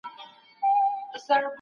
که سوله وي نو نړۍ به د آرام ساه واخلي.